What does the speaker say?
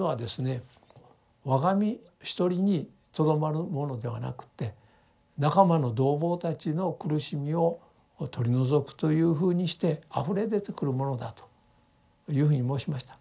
我が身一人にとどまるものではなくて仲間の同朋たちの苦しみを取り除くというふうにしてあふれ出てくるものだというふうに申しました。